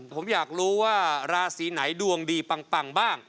ผมอยากรู้ว่าราศีไหนดวงดีปังบ้าง